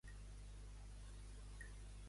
El països més afectats seran Espanya i Irlanda.